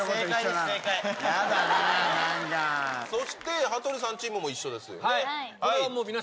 そして羽鳥さんチームも一緒ですね。